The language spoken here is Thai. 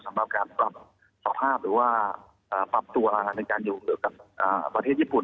สำหรับการปรับสภาพหรือว่าปรับตัวในการอยู่กับประเทศญี่ปุ่น